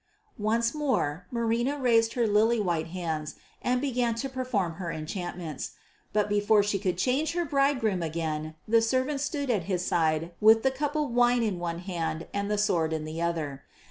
Once more Marina raised her lily white hands and began to perform her enchantments. But before she could change her bridegroom again the servant stood at his side with the cup of wine in one hand and the sword in the other.